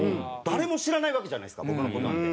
誰も知らないわけじゃないですか僕の事なんて。